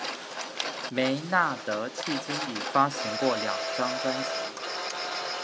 梅纳德迄今已发行过两张专辑。